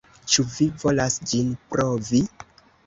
Ĉu vi volas ĝin provi?